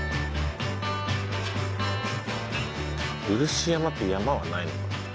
漆山っていう山はないのかな？